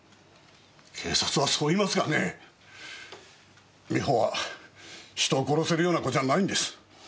警察はそう言いますがね美穂は人を殺せるような子じゃないんです。